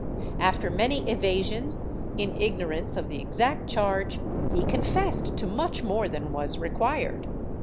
After many evasions, in ignorance of the exact charge, he confessed to much more than was required.